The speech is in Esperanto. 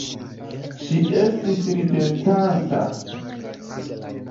Ŝi estis ridetanta.